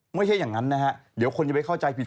ไม่ใช่อย่างนั้นนะฮะเดี๋ยวคนจะไปเข้าใจผิด